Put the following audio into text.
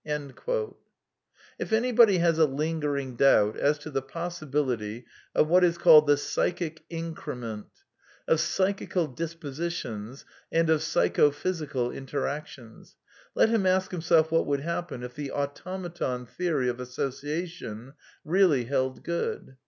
(Body and Mind, Page 343.) If anybody has a lingering doubt as to the possibility of what is called the " psychic increment "— of psychical dis positions and of psycho physical interactions — let him ask himself what would happen if the automaton theory of association really held good.